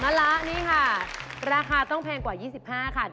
ละนี่ค่ะราคาต้องแพงกว่า๒๕ค่ะ